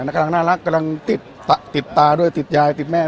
น่าน่ารักน่าน่ารักกำลังติดติดตาด้วยติดยายติดแม่ด้วย